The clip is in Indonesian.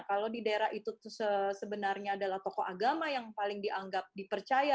kalau di daerah itu sebenarnya adalah tokoh agama yang paling dianggap dipercaya